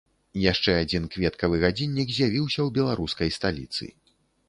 Яшчэ адзін кветкавы гадзіннік з'явіўся ў беларускай сталіцы.